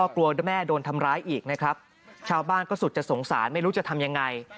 กลัวแม่โดนทำร้ายอีกนะครับชาวบ้านก็สุดจะสงสารไม่รู้จะทำยังไง